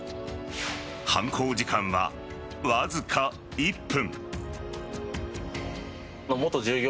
犯行時間はわずか１分。